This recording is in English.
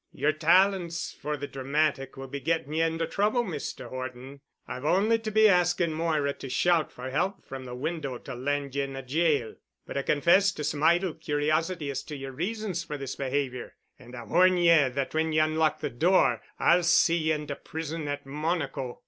"Yer talents for the dramatic will be getting ye into trouble, Mr. Horton. I've only to be asking Moira to shout for help from the window to land ye in a jail. But I confess to some idle curiosity as to yer reasons for this behavior. And I warn ye that when ye unlock the door I'll see ye into the prison at Monaco.